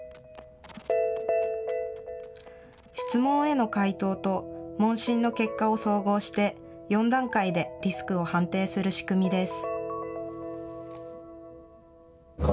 質問への回答と問診の結果を総合して、４段階でリスクを判定する仕組みです。